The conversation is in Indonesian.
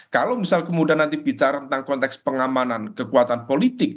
kalau misal kemudian nanti bicara tentang konteks pengamanan kekuatan politik